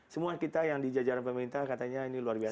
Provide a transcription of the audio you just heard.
semua kita yang di jajaran pemerintah katanya ini luar biasa